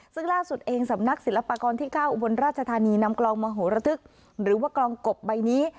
ซึ่งล่าสุดเองสำนักศิลปากรที่๙อุบลราชธานีนำกลองมโหระทึกหรือว่ากลองกบใบนี้